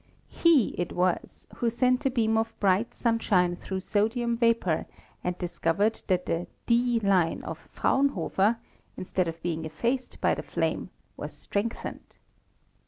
He it was who sent a beam of bright sunshine through sodium vapor and discovered that the "D" line of Fraunhofer, instead of being effaced by the flame, was strengthened.